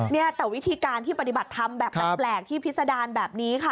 เนี่ยแต่วิธีการที่ปฏิบัติธรรมแบบแปลกที่พิษดารแบบนี้ค่ะ